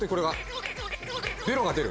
ベロが出る。